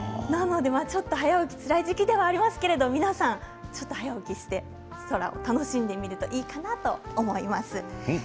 早起きがつらい時期ではありますけれども皆さん早起きをして空を楽しんでみるといかなと思います。